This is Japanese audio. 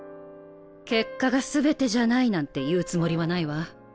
「結果が全てじゃない」なんて言うつもりはないわ。